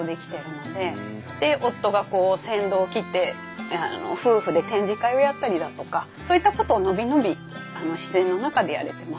で夫が先導きって夫婦で展示会をやったりだとかそういったことを伸び伸び自然の中でやれてます。